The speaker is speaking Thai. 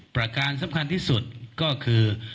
ประการสำคัญที่สุดก็คือ